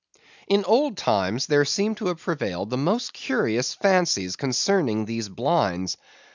In old times, there seem to have prevailed the most curious fancies concerning these blinds.